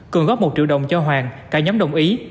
cường góp một triệu đồng cho hoàng cả nhóm đồng ý